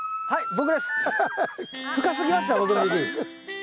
はい。